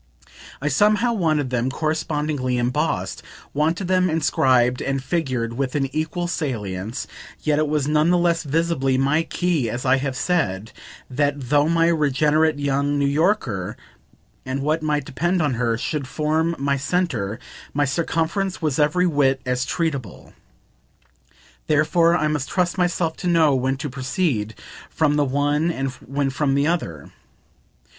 I somehow wanted them correspondingly embossed, wanted them inscribed and figured with an equal salience; yet it was none the less visibly my "key," as I have said, that though my regenerate young New Yorker, and what might depend on her, should form my centre, my circumference was every whit as treatable. Therefore I must trust myself to know when to proceed from the one and when from the other.